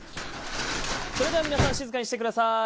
それでは皆さん静かにしてください。